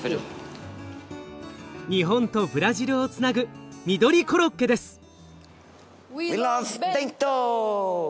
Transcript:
日本とブラジルをつなぐミドリコロッケです！